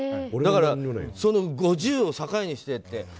だから５０を境にしてって。